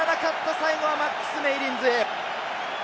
最後はマックス・メイリンズへ。